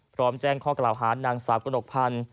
พร้อมแจ้งข้อกล่าวหานางสาวกระหนกพันธ์